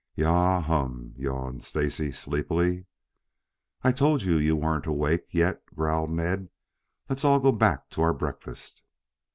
"Yah hum," yawned Stacy, sleepily. "I told you you weren't awake yet," growled Ned. "Let's all go back to our breakfast."